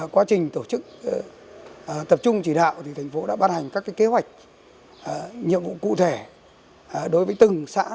quá trình tập trung chỉ đạo thành phố đã bán hành các kế hoạch nhiệm vụ cụ thể đối với từng xã